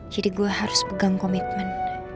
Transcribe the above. jadi gue harus pegang komitmen